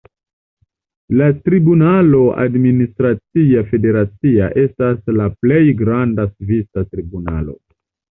La tribunalo administracia federacia estas la plej granda svisa tribunalo.